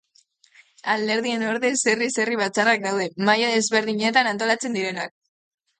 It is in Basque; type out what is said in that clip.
Alderdien ordez herri-batzarrak daude, maila desberdinetan antolatzen direnak.